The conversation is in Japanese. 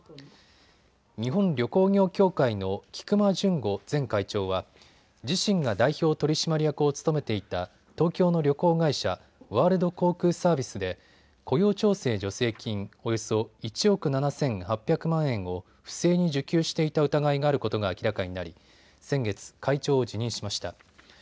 日本旅行業協会の菊間潤吾前会長は自身が代表取締役を務めていた東京の旅行会社、ワールド航空サービスで雇用調整助成金およそ１億７８００万円を不正に受給していた疑いがあることが明らかになり先月、会長を辞任しました。